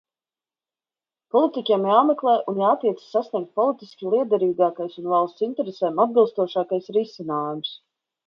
Politiķiem jāmeklē un jātiecas sasniegt politiski lietderīgākais un valsts interesēm atbilstošākais risinājums.